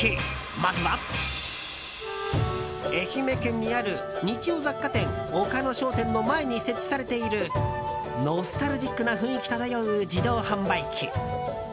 まずは、愛媛県にある日用雑貨店、岡野商店の前に設置されているノスタルジックな雰囲気漂う自動販売機。